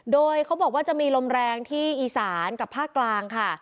โดยเขาบอกว่าจะมีลมแรงที่อีสานกับภาคกลางค่ะ